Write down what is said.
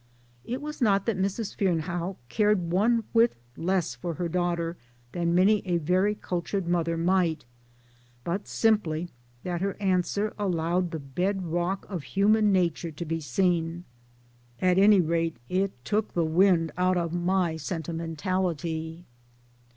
" It was not that Mrs. Fearnehough cared one whit less for her daughter than many a very cultured mother might, but simply that her answer allowed the bed rock of human nature to be seen. At any rate it took the wind out of my sentimentality